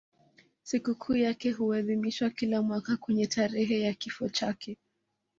Sikukuu yake huadhimishwa kila mwaka kwenye tarehe ya kifo chake.